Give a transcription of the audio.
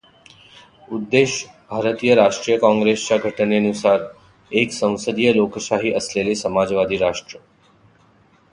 उद्देश भारतीय राष्ट्रीय काँग्रेसच्या घटनेनुसार, एक संसदीय लोकशाही असलेले समाजवादी राष्ट्र